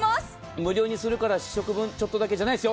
無料にするからちょっとだけじゃないですよ。